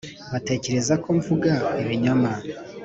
batekereza ko mvuga ibinyoma.